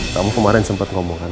kamu kemarin sempat ngomong kan